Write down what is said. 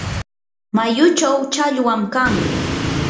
mayuchaw challwam kan.